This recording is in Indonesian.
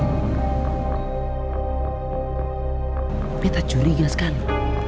tapi tak curiga sekali